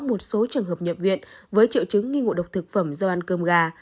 một số trường hợp nhập viện với triệu chứng nghi ngộ độc thực phẩm do ăn cơm gà